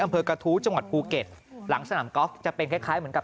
อำเภอกระทู้จังหวัดภูเก็ตหลังสนามกอล์ฟจะเป็นคล้ายคล้ายเหมือนกับ